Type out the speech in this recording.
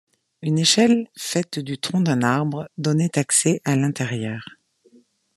Une échelle faite du tronc d'un arbre donnait accès à l'intérieur.